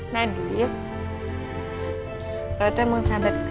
tapi dia sudah menitier